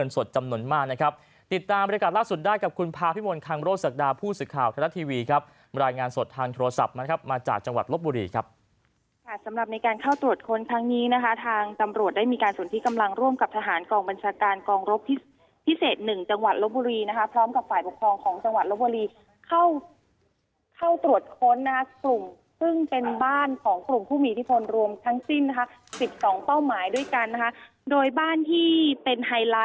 ส่วนในการเข้าตรวจค้นครั้งนี้นะคะทางตำรวจได้มีการส่วนที่กำลังร่วมกับทหารกองบัญชาการกองรบที่พิเศษหนึ่งจังหวัดลบบุรีนะคะพร้อมกับฝ่ายปกครองของจังหวัดลบบุรีเข้าเข้าตรวจค้นนะคะกลุ่มซึ่งเป็นบ้านของกลุ่มผู้มีอิทธิพลรวมทั้งสิ้นนะคะสิบสองเป้าหมายด้วยกันนะคะโดยบ้านที่เป็นไฮ